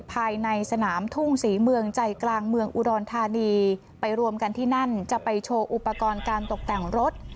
ภายในสนามทุ่งศรีเมืองใจกลางเมืองอุดรธานีไปรวมกันที่นั่นจะไปโชว์อุปกรณ์การตกแต่งรถ